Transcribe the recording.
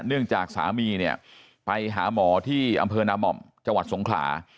เนื่องจากสามีเนี่ยไปหาหมอที่อำเภอนาม่อมจังหวัดสงขลา